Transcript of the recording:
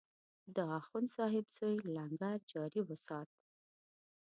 د اخندصاحب زوی لنګر جاري وسات.